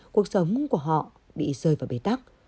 cuộc sống của họ bị rơi vào bề tắc